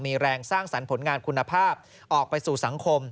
มีแรงสร้างสรรค์ผลงานคุณภาพออกไปสู่สังคม